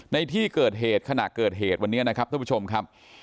ในที่เกิดเหตุขณะเกิดเหตุวันนี้นะครับท่านผู้ชมครับ